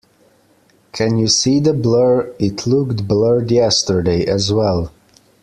Can you see the blur? It looked blurred yesterday, as well.